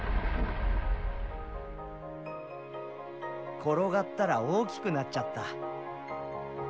転がったら大きくなっちゃった。